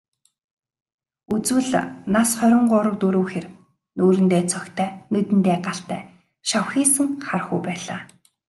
Үзвэл, нас хорин гурав дөрөв хэр, нүүрэндээ цогтой, нүдэндээ галтай, шавхийсэн хархүү байлаа.